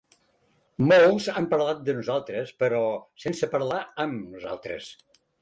Molts han parlat de nosaltres però sense parlar amb nosaltres.